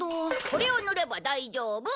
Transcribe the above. これを塗れば大丈夫！